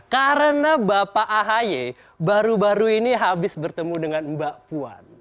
karena bapak ahy baru baru ini habis bertemu dengan mbak puan